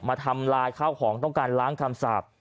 ทำลายข้าวของต้องการล้างคำสาป